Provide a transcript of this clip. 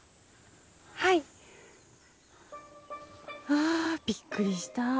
ああびっくりした。